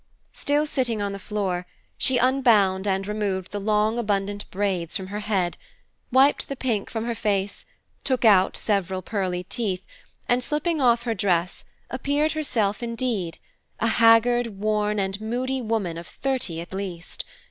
Still sitting on the floor she unbound and removed the long abundant braids from her head, wiped the pink from her face, took out several pearly teeth, and slipping off her dress appeared herself indeed, a haggard, worn, and moody woman of thirty at least.